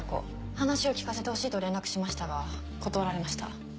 話を聞かせてほしいと連絡しましたが断られました。